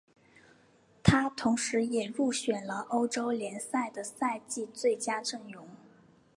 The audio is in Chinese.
他同时也入选了欧洲联赛的赛季最佳阵容。